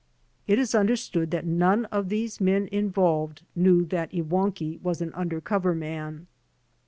It is understood that none of the men involved knew that Iwankiw was an 'under cover' man."